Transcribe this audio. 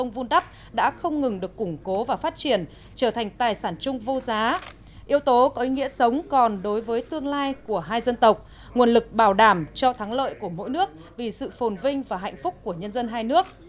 vun đắp đã không ngừng được củng cố và phát triển trở thành tài sản chung vô giá yếu tố có ý nghĩa sống còn đối với tương lai của hai dân tộc nguồn lực bảo đảm cho thắng lợi của mỗi nước vì sự phồn vinh và hạnh phúc của nhân dân hai nước